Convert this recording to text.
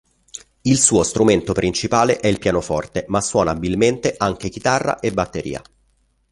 Il suo strumento principale è il pianoforte ma suona abilmente anche chitarra e batteria.